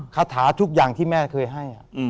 คาถาทุกอย่างที่แม่เคยให้